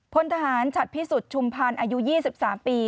พลทหารฉัดพิสุทธิ์ชุมพันธ์อายุ๒๓ปี